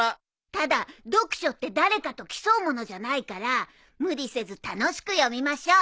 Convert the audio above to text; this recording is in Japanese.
ただ読書って誰かと競うものじゃないから無理せず楽しく読みましょう。